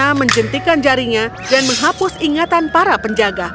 mereka menjentikan jarinya dan menghapus ingatan para penjaga